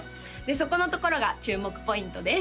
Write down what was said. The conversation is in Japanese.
でそこのところが注目ポイントです